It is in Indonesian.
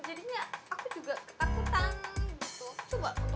jadinya aku juga ketakutan